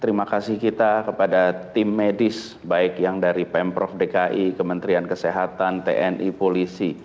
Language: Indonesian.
terima kasih kita kepada tim medis baik yang dari pemprov dki kementerian kesehatan tni polisi